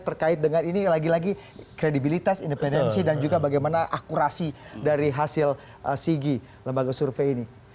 terkait dengan ini lagi lagi kredibilitas independensi dan juga bagaimana akurasi dari hasil sigi lembaga survei ini